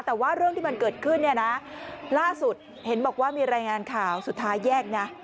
แต่ว่าเรื่องที่มันเกิดขึ้นเนี่ยนะล่าสุดเห็นบอกว่ามีรายงานข่าวสุดท้ายแยกนะ